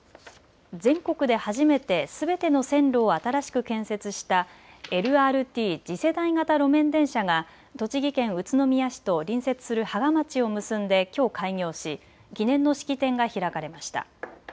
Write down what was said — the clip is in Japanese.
全国で初めてすべての線路を新しく建設したＬＲＴ・次世代型路面電車が栃木県宇都宮市と隣接する芳賀町を結んできょう開業し記念の式典が開かれました。